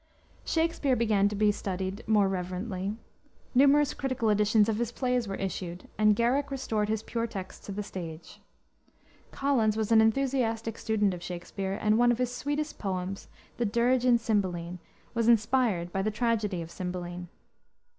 Shakspere began to to be studied more reverently: numerous critical editions of his plays were issued, and Garrick restored his pure text to the stage. Collins was an enthusiastic student of Shakspere, and one of his sweetest poems, the Dirge in Cymbeline, was inspired by the tragedy of Cymbeline.